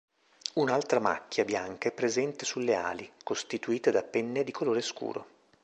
Un'altra macchia bianca è presente sulle ali, costituite da penne di colore scuro.